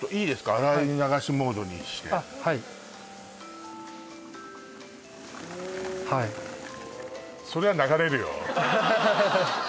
洗い流しモードにしてあっはいはいそりゃ流れるよアハハハハハ